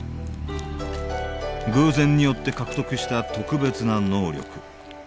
偶然によって獲得した特別な能力。